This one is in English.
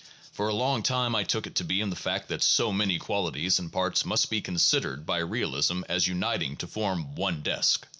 For a long time I took it to be in the fact that so many qualities and parts must be con sidered by realism as uniting to form one desk.